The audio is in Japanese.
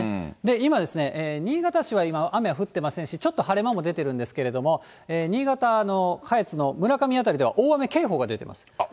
今、新潟市は今、雨は降っていませんし、ちょっと晴れ間も出てるんですけど、新潟の下越の村上辺大雨警報。